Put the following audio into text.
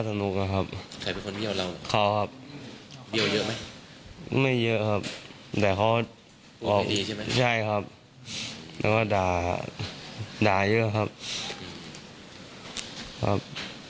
แต่ผมไม่ตั้งใจว่าจะยิงเลยครับ